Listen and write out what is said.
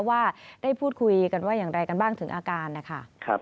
ว่าได้พูดคุยกันว่าอย่างไรกันบ้างถึงอาการนะคะ